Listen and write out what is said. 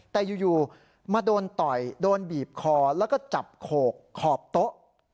แต่อยู่มาโดนต่อยโดนบีบคอแล้วก็จับโขกขอบโต๊ะ